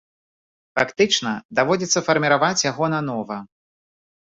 Фактычна даводзіцца фарміраваць яго нанова.